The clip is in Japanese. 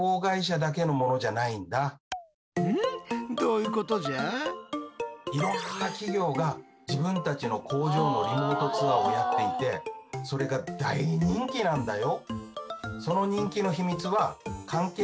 いろんな企業が自分たちの工場のリモートツアーをやっていてそれが大人気なんだよ。